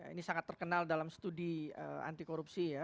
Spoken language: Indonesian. ini sangat terkenal dalam studi anti korupsi ya